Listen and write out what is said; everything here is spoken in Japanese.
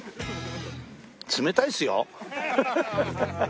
冷たいっすよ。